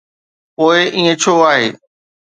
پوءِ ائين ڇو آهي؟